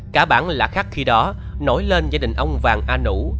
cả bản lạ khác khi đó nổi lên gia đình ông vàng a nũ